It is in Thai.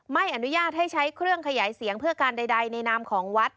ไม่อนุญาตให้ใช้เครื่องขยายเสียงเพื่อการใดในนามของวัด